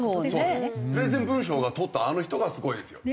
プレゼン文章が通ったあの人がすごいですよ。